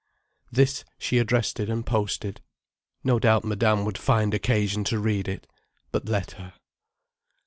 This she addressed and posted. No doubt Madame would find occasion to read it. But let her.